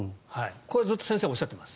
これずっと先生おっしゃっています。